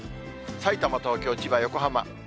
さいたま、東京、千葉、横浜。